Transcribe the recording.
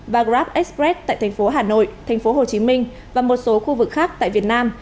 và grab express tại thành phố hà nội thành phố hồ chí minh và một số khu vực khác tại việt nam